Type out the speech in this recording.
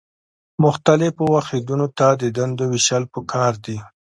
مختلفو واحدونو ته د دندو ویشل پکار دي.